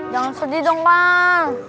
jangan sedih dong pang